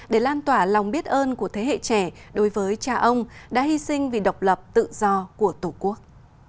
để lan tỏa lòng biết ơn của thế hệ trẻ đối với cha ông đã hy sinh vì độc lập tự do của tổ quốc